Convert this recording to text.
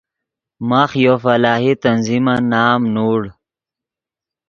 ماخ یو فلاحی تنظیمن نام نوڑ